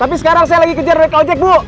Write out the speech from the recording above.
tapi sekarang saya lagi kejar red funding bu